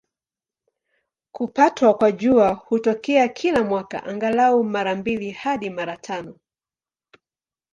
Kupatwa kwa Jua hutokea kila mwaka, angalau mara mbili hadi mara tano.